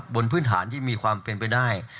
บนพื้นฐานที่มีความเป็นไปได้